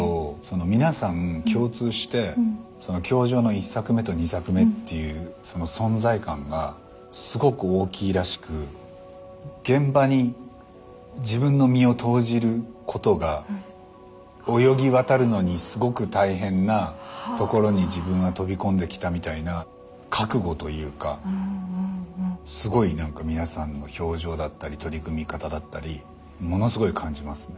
皆さん共通して『教場』の１作目と２作目っていうその存在感がすごく大きいらしく現場に自分の身を投じることが泳ぎ渡るのにすごく大変な所に自分は飛び込んできたみたいな覚悟というかすごい皆さんの表情だったり取り組み方だったりものすごい感じますね。